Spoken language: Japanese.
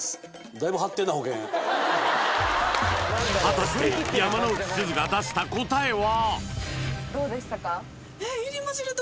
果たして山之内すずが出した答えは？